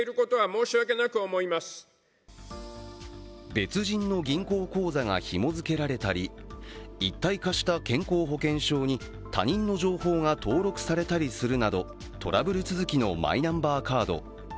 別人の銀行口座がひも付けられたり一体化した健康保険証に他人の情報が登録されたりするなどトラブル続きのマイナンバーカード。